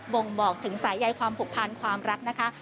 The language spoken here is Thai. ่งบอกถึงสายใยความผูกพันความรักนะคะ